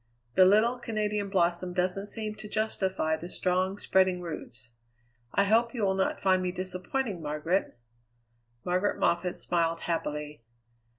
The little Canadian blossom doesn't seem to justify the strong, spreading roots. I hope you will not find me disappointing, Margaret." Margaret Moffatt smiled happily.